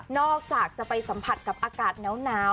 นอกจากจะไปสัมผัสกับอากาศนาว